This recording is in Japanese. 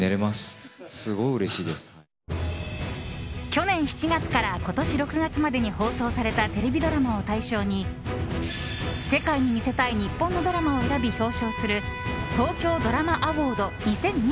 去年７月から今年６月までに放送されたテレビドラマを対象に世界に見せたい日本のドラマを選び表彰する東京ドラマアウォード２０２２